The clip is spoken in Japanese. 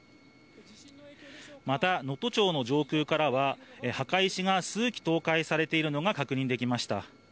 また能登町の上空からは、墓石が数基、倒壊されているのが確認できました。